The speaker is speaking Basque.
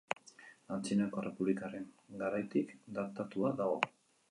Antzinako Errepublikaren garaitik datatua dago.